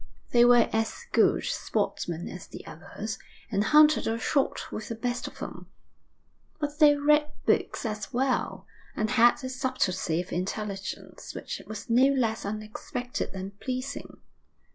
They were as good sportsmen as the others, and hunted or shot with the best of them, but they read books as well, and had a subtlety of intelligence which was no less unexpected than pleasing.